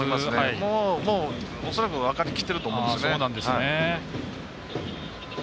もう恐らく分かりきっていると思うんです。